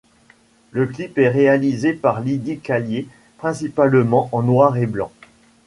Le clip est réalisé par Lydie Callier, principalement en noir et blanc.